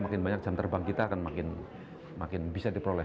makin banyak jam terbang kita akan makin bisa diperoleh